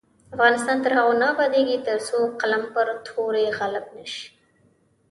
افغانستان تر هغو نه ابادیږي، ترڅو قلم پر تورې غالب نشي.